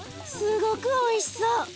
すごくおいしそう。